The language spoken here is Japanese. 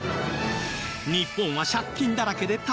日本は借金だらけで大変